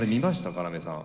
要さん。